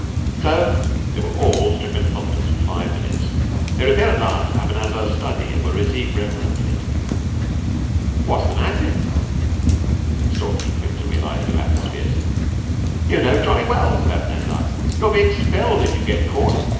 So they were all stricken helpless for five minutes. They repaired at last to Abanazar's study, and were received reverently. "What's the matter?" said Stalky, quick to realize new atmospheres. "You know jolly well," said Abanazar. "You'll be expelled if you get caught.